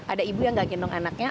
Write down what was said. ada ibu yang gak gendong anaknya